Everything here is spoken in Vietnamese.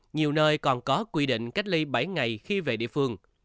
nhiều nơi còn có quy định cách ly bảy ngày khi về địa phương